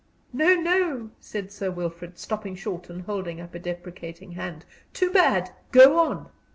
"No, no!" said Sir Wilfrid, stopping short and holding up a deprecating hand. "Too bad! Go on."